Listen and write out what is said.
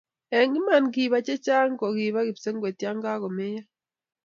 eng' iman kiba che chang' ko kiba kipsengwet ya kakumeyo